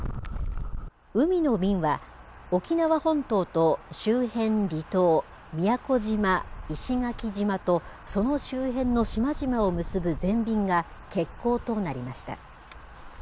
海の便は、沖縄本島と周辺離島、宮古島、石垣島と、その周辺の島々を結ぶ全便が欠航となりました。